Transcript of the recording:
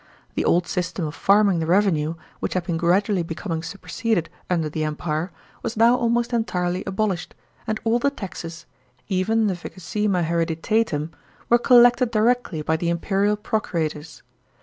The old system of farming the revenue, which had been gradually becoming superseded under the Empire, was now almost entirely abolished, arid all the taxes — even the vicesima hereditatum — were collected directly by the imperial procurators.